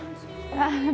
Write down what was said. ああ！